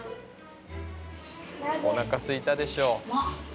おなかすいたでしょ。